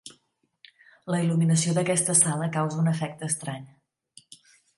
La il·luminació d'aquesta sala causa un efecte estrany.